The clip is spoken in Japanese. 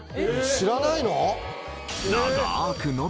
知らないの？